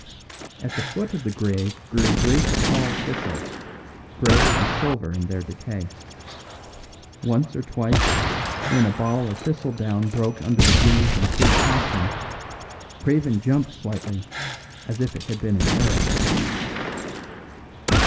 At the foot of the grave grew great tall thistles, grey and silver in their decay. Once or twice, when a ball of thistledown broke under the breeze and flew past him, Craven jumped slightly as if it had been an arrow.